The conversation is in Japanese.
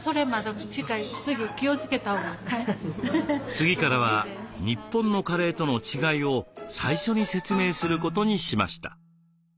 次からは日本のカレーとの違いを最初に説明することにしました。